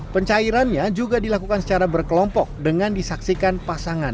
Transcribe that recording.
pencairannya juga dilakukan secara berkelompok dengan disaksikan pasangan